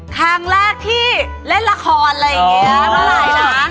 ครั้งแรกที่เล่นละครอะไรอย่างนี้เมื่อไหร่นะ